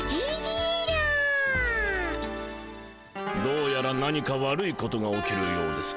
どうやら何か悪いことが起きるようです。